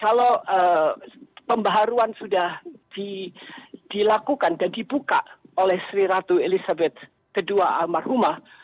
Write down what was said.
kalau pembaharuan sudah dilakukan dan dibuka oleh sri ratu elizabeth ii almarhumah